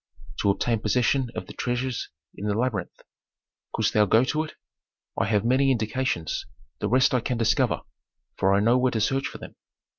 "To obtain possession of the treasures in the labyrinth." "Couldst thou go to it?" "I have many indications; the rest I can discover, for I know where to search for them."